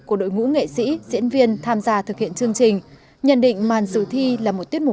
của đội ngũ nghệ sĩ diễn viên tham gia thực hiện chương trình nhận định màn sử thi là một tiết mục